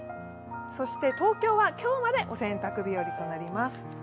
東京は今日までお洗濯日和となります。